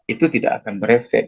itu tidak akan berefek